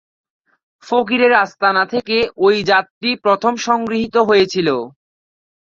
ফকিরের আস্তানা থেকে এই জাতটি প্রথম সংগৃহীত হয়েছিল।